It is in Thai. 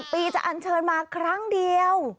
ปีจะอันเชิญมาครั้งเดียว